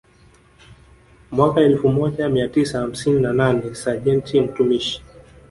Mwaka elfu moja mia tisa hamsini na nane Sajenti mtumishi